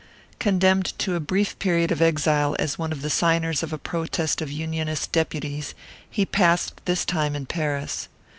Condemned to a brief period of exile as one of the signers of a protest of Unionist deputies, he passed this time in Paris.